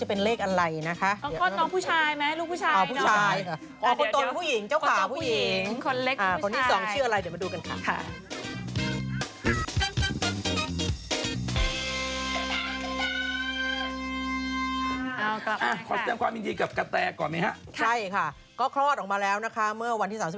เที่ยวกุมานทองเนี่ยเออกุมานทองเนอะ